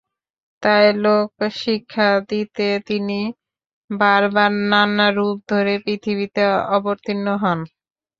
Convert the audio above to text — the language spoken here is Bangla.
তাই লোকশিক্ষা দিতে তিনি বারবার নানা রূপ ধরে পৃথিবীতে অবতীর্ণ হন।